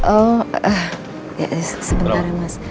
oh sebentar mas